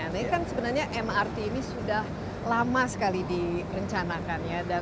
nah ini kan sebenarnya mrt ini sudah lama sekali direncanakan ya